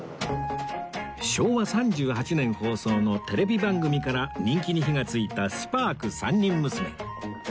昭和３８年放送のテレビ番組から人気に火がついたスパーク３人娘